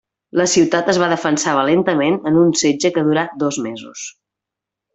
La ciutat es va defensar valentament en un setge que durà dos mesos.